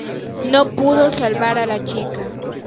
No pudo salvar a la chica.